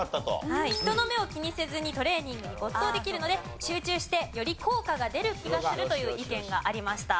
人の目を気にせずにトレーニングに没頭できるので集中してより効果が出る気がするという意見がありました。